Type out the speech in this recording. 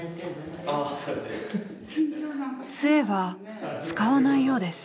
杖は使わないようです。